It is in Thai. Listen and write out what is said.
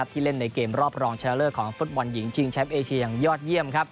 ที่เล่นในเกมรอบรองเช็ลเลอร์ของฟุตวัลหญิงชิงแชทเอเทียยอดเยี่ยม